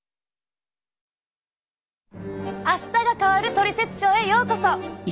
「あしたが変わるトリセツショー」へようこそ。